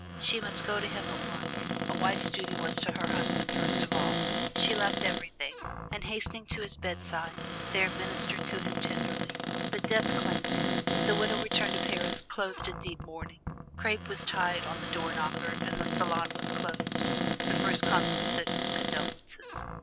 She must go to him at once a wife's duty was to her husband first of all. She left everything, and hastening to his bedside, there ministered to him tenderly. But death claimed him. The widow returned to Paris clothed in deep mourning. Crape was tied on the door knocker and the salon was closed. The First Consul sent condolences.